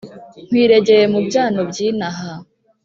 Nywiregeye mu byano byinaha